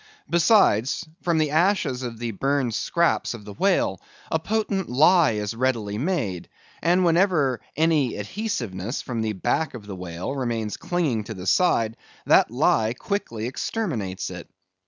Besides, from the ashes of the burned scraps of the whale, a potent lye is readily made; and whenever any adhesiveness from the back of the whale remains clinging to the side, that lye quickly exterminates it.